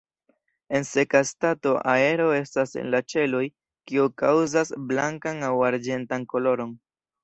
En seka stato aero estas en la ĉeloj, kiu kaŭzas blankan aŭ arĝentan koloron.